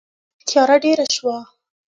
تیاره ډېره شوه.